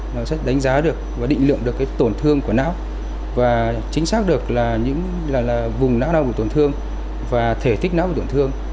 nó sẽ đánh giá được và định lượng được tổn thương của não và chính xác được vùng não nào bị tổn thương và thể tích não bị tổn thương